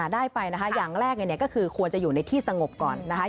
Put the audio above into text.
ได้ไปนะคะอย่างแรกก็คือควรจะอยู่ในที่สงบก่อนนะคะ